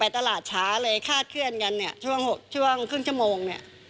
ตลาดช้าเลยคาดเคลื่อนกันเนี่ยช่วงครึ่งชั่วโมงเนี่ย